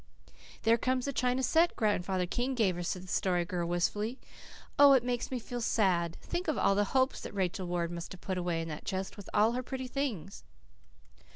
"There comes the china set Grandfather King gave her," said the Story Girl wistfully. "Oh, it makes me feel sad. Think of all the hopes that Rachel Ward must have put away in this chest with all her pretty things."